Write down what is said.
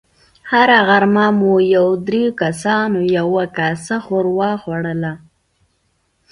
هره غرمه مو په دريو کسانو يوه کاسه ښوروا خوړله.